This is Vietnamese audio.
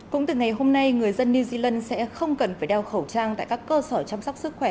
cũng từ ngày hôm nay người dân new zealand sẽ không cần phải đeo khẩu trang tại các cơ sở chăm sóc sức khỏe